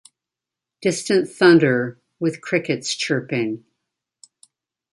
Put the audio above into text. Distant Thunder with Crickets Chirping.